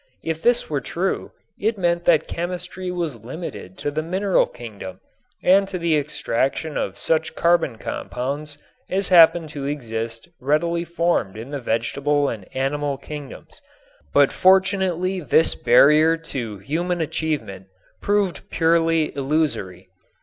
If this were true it meant that chemistry was limited to the mineral kingdom and to the extraction of such carbon compounds as happened to exist ready formed in the vegetable and animal kingdoms. But fortunately this barrier to human achievement proved purely illusory.